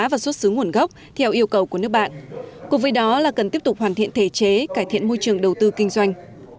và xuất xứ nguồn gốc theo yêu cầu của nước bạn cùng với đó là cần tiếp tục hoàn thiện thể chế cải thiện môi trường đầu tư kinh doanh